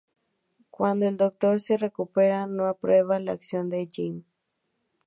Cuando el Doctor se recupera no aprueba la acción de Jamie.